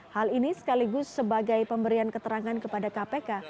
hal ini sekaligus sebagai pemberian keterangan kepada kpk